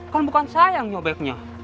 kan bukan saya yang nyebeknya